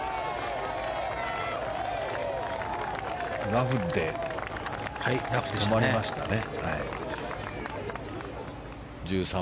ラフで止まりましたね。